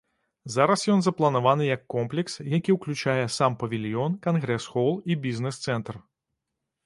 Зараз ён запланаваны як комплекс, які ўключае сам павільён, кангрэс-хол і бізнес-цэнтр.